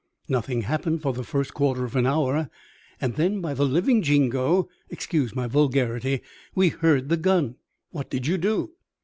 Nothing happened for the first quarter of an hour and then, by the living Jingo (excuse my vulgarity), we heard the gun!" "What did you do?"